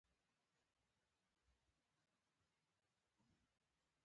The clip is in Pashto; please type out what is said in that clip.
د ناور جهیل د کومو مرغانو کور دی؟